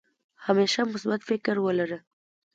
همېشه مثبت فکر ولره